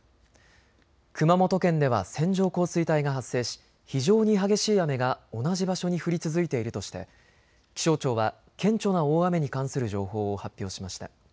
熊本県では線状降水帯が発生し非常に激しい雨が同じ場所に降り続いているとして気象庁は顕著な大雨に関する情報を発表しました。